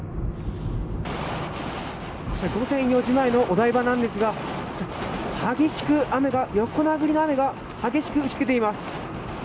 午前４時前のお台場なんですが激しく雨が、横殴りの雨が激しく打ち付けています。